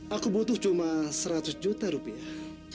aku butuh cuma seratus juta rupiah